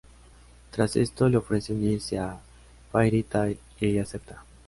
Tras esto, le ofrece unirse a Fairy Tail y ella acepta.